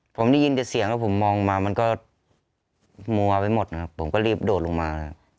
ผมได้ยินแต่เสียงแล้วผมมองมามันก็มัวไปหมดนะครับผมก็รีบโดดลงมานะครับ